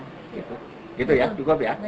gitu ya cukup ya